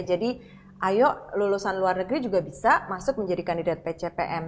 jadi ayo lulusan luar negeri juga bisa masuk menjadi kandidat pcpm